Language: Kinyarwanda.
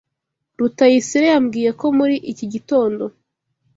Rutayisire yambwiye ko muri iki gitondo.